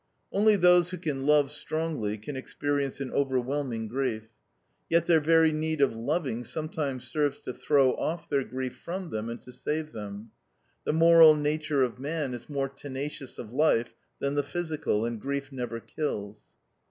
Only those who can love strongly can experience an overwhelming grief. Yet their very need of loving sometimes serves to throw off their grief from them and to save them. The moral nature of man is more tenacious of life than the physical, and grief never kills.